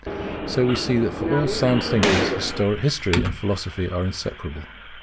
So we see that for all sound thinkers, History and Philosophy are inseparable.